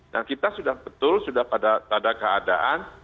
dan kita sudah betul sudah pada keadaan